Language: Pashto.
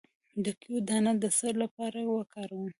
د کیوي دانه د څه لپاره وکاروم؟